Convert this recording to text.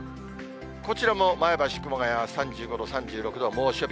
こちらも前橋、熊谷は３５度、３６度、猛暑日。